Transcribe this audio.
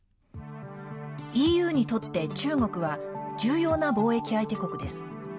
ＥＵにとって中国は重要な貿易相手国です。